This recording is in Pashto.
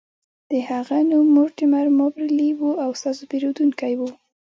د هغه نوم مورټیمر مابرلي و او ستاسو پیرودونکی و